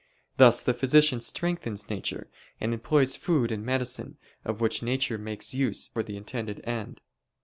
Thus the physician strengthens nature, and employs food and medicine, of which nature makes use for the intended end.